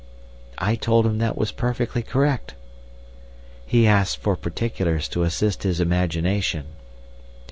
"I told him that was perfectly correct. "He asked for particulars to assist his imagination.